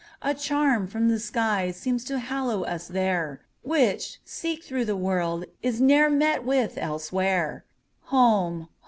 A charm from the sky seems to hallow us there, Which, seek through the world, is ne'er met with elsewhere. Home!